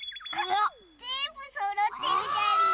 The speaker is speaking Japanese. ぜんぶそろってるじゃりー。